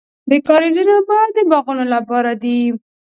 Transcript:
د کاریزونو اوبه د باغونو لپاره دي.